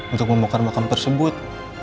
untuk membongkar makam tersebut